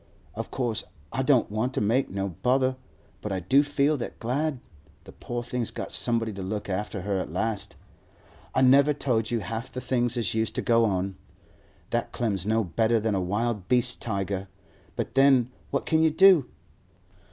Of course I don't want to make no bother, but I do feel that glad the poor thing's got somebody to look after her at last. I never told you half the things as used to go on. That Clem's no better than a wild beast tiger; but then what can you do?